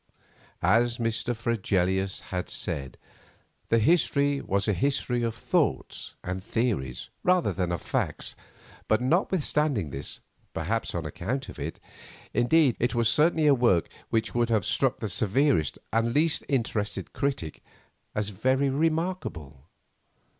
As Mr. Fregelius had said, the history was a history of thoughts and theories, rather than of facts, but notwithstanding this, perhaps on account of it, indeed, it was certainly a work which would have struck the severest and least interested critic as very remarkable.